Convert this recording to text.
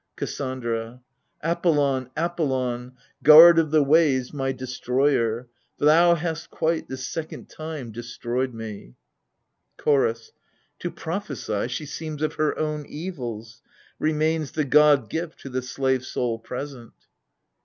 KASSANDRA. Apollon, Apollon, Guard of the ways, my destroyer ! For thou hast quite, this second time, destroyed me. CHORDS. To prophesy she seems of her own evils : Remains the god gift to the slave soul present. 88 AGAMEMNON.